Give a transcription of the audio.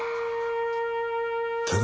ただ。